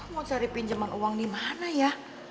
mau cari pinjaman uang dimana ya